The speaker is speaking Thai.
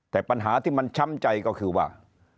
แต่ปัญหาที่มันช้ำใจก็คือว่า